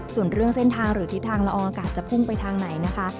ส่วนเรื่องเส้นทางหรือทิศทางละอองอากาศจะพุ่งไปทางไหนนะคะ